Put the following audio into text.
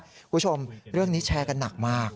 คุณผู้ชมเรื่องนี้แชร์กันหนักมาก